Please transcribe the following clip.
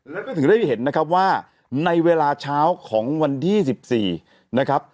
แล้วก็ถึงได้เห็นนะครับว่าในเวลาเช้าของวันที่๑๔นะครับ